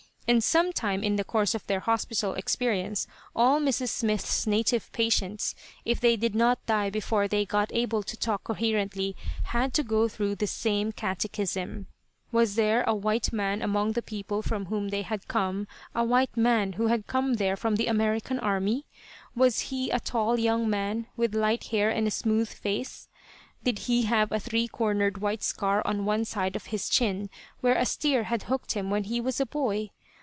And sometime in the course of their hospital experience, all Mrs. Smith's native patients if they did not die before they got able to talk coherently had to go through the same catechism: Was there a white man among the people from whom they had come; a white man who had come there from the American army? Was he a tall young man with light hair and a smooth face? Did he have a three cornered white scar on one side of his chin, where a steer had hooked him when he was a boy?